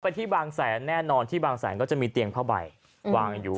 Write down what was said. ที่บางแสนแน่นอนที่บางแสนก็จะมีเตียงผ้าใบวางอยู่